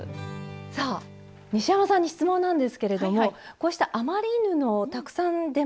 さあ西山さんに質問なんですけれどもこうした余り布たくさん出ますよね。